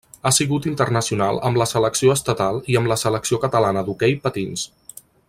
Ha sigut internacional amb la selecció estatal i amb la selecció catalana d'hoquei patins.